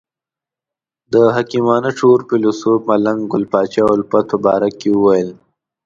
د حکیمانه شعور فیلسوف ملنګ ګل پاچا الفت په باره کې ویل.